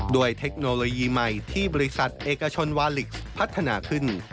เทคโนโลยีใหม่ที่บริษัทเอกชนวาลิกพัฒนาขึ้น